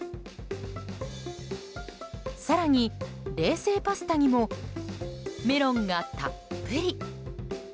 更に、冷製パスタにもメロンがたっぷり。